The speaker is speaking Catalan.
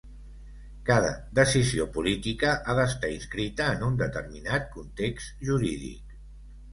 Cada decisió política ha d'estar inscrita en un determinat context jurídic.